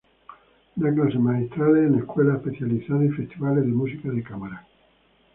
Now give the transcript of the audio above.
Da clases magistrales en escuelas especializadas y festivales de música de cámara.